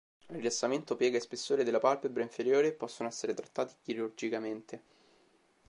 Rilassamento, piega e spessore della palpebra inferiore possono essere trattati chirurgicamente.